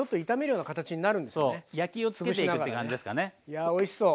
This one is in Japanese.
やおいしそう。